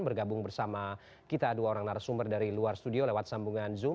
bergabung bersama kita dua orang narasumber dari luar studio lewat sambungan zoom